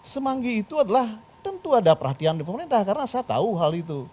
semanggi itu adalah tentu ada perhatian di pemerintah karena saya tahu hal itu